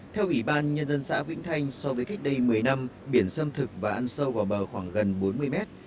theo ủy ban nhân dân xã vĩnh thanh so với cách đây một mươi năm biển xâm thực và ăn sâu vào bờ khoảng gần bốn mươi mét